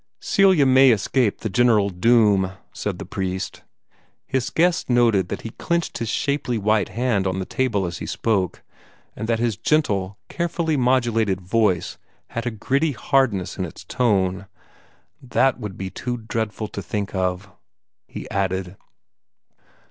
"Celia may escape the general doom," said the priest. His guest noted that he clenched his shapely white hand on the table as he spoke, and that his gentle, carefully modulated voice had a gritty hardness in its tone. "THAT would be too dreadful to think of," he added.